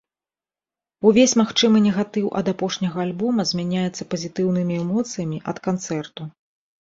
Увесь магчымы негатыў ад апошняга альбома змяняецца пазітыўнымі эмоцыямі ад канцэрту.